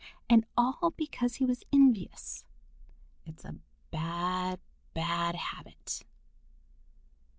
And all because he was envious. It's a bad, bad habit.